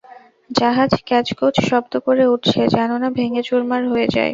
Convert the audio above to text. জাহাজ ক্যাঁচ কোঁচ শব্দ করে উঠছে, যেন বা ভেঙে চুরমার হয়ে যায়।